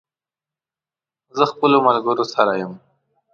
زه خپلو ملګرو سره یم